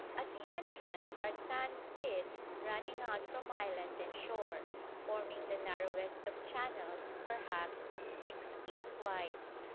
At the entrance are sandspits running out from island and shore, forming the narrowest of channels, perhaps six feet wide.